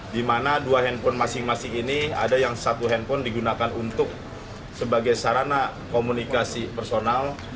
di mana dua handphone masing masing ini ada yang satu handphone digunakan untuk sebagai sarana komunikasi personal